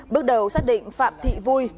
bước đầu xác định phạm thị vui